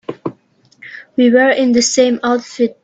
We were in the same outfit.